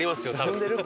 進んでる？